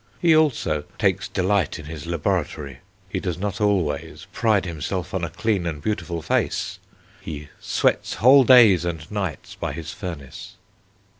He also "takes delight in his laboratory"; he does not always "pride himself on a clean and beautiful face"; he "sweats whole days and nights by his furnace."